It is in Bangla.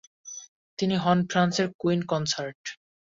তিনি হন ফ্রান্সের কুইন কনসর্ট।